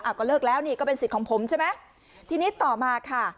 ก็เลิกแล้วนี่ก็เป็นสิทธิ์ของผมใช่ไหมทีนี้ต่อมาค่ะ